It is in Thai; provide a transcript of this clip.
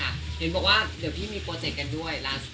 เห็นบอกว่าเดี๋ยวพี่มีโปรเจกต์กันด้วย